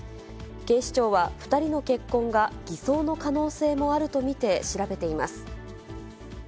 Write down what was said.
警視庁は、２人の結婚が偽装の可能性もあると見て調べています。